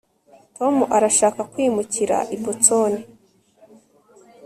tom arashaka kwimukira i boston